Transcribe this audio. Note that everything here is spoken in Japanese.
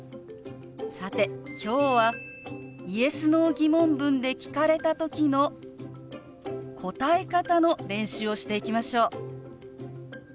さて今日はＹｅｓ／Ｎｏー疑問文で聞かれた時の答え方の練習をしていきましょう。